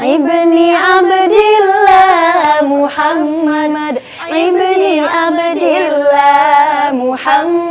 you i blue bila muhammad ibni abdillah muhammad ibni abcep